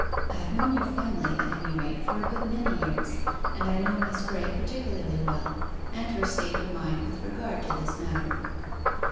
I have known your family, at any rate, for a good many years, and I know Miss Graye particularly well, and her state of mind with regard to this matter.